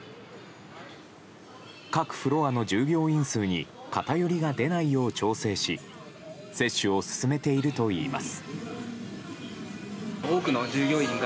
各フロアの従業員数に偏りが出ないよう調整し接種を進めているといいます。